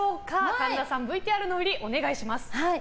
神田さん、ＶＴＲの振りお願いします。